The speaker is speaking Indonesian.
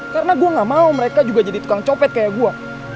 karena gue gak mau mereka juga jadi tukang copet kayak gue